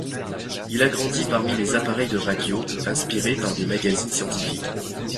Il a grandi parmi les appareils de radio, inspiré par des magazines scientifiques.